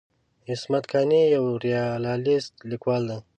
عصمت قانع یو ریالیست لیکوال دی.